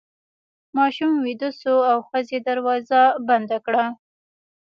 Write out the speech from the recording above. ماشوم ویده شو او ښځې دروازه بنده کړه.